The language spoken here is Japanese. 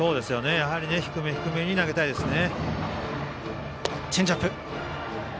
やはり低め低めに投げたいですね。